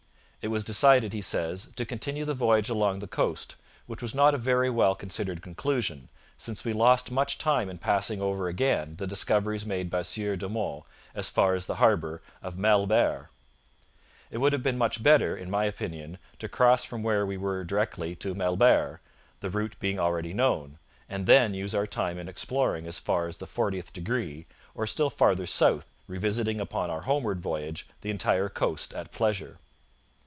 'It was decided,' he says, 'to continue the voyage along the coast, which was not a very well considered conclusion, since we lost much time in passing over again the discoveries made by Sieur de Monts as far as the harbour of Mallebarre. It would have been much better, in my opinion, to cross from where we were directly to Mallebarre, the route being already known, and then use our time in exploring as far as the fortieth degree, or still farther south, revisiting upon our homeward voyage the entire coast at pleasure.'